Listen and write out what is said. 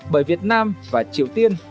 bởi việt nam và triều tiên